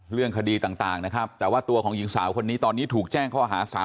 เรื่องคดีต่างนะครับแต่ว่าตัวของหญิงสาวคนนี้ตอนนี้ถูกแจ้งข้อหา๓